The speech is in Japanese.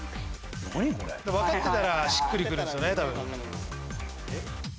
分かってたらしっくりくるんですよね。